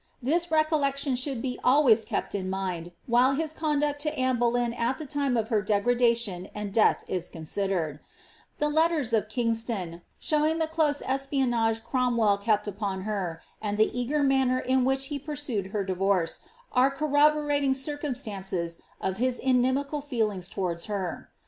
This recollection should be always kept in mind, while his conduct to Anne Boleyn at the time of her degradation and death is considered. The letters of Kingston. 'For these particulars, see ihe Life of queen Anne Boleyn, i oI. iv. MART. 127 showing the close espionage Cromwell kept upon her, and the eager manner in which he pursued her divorce, are corroborating circum Btauces of his inimical feeling towards her.'